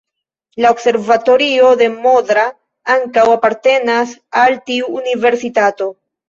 La observatorio de Modra ankaŭ apartenas al tiu universitato.